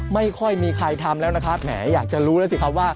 ไม่ค่อยมีใครทำแล้วนะครับแหมอยากจะรู้แล้วสิครับว่า